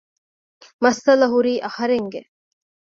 މައްސަލަ ހުރީ އަހަރެންގެ